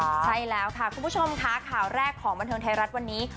ใช่แล้วค่ะคุณผู้ชมค่ะข่าวแรกของบันเทิงไทยรัฐวันนี้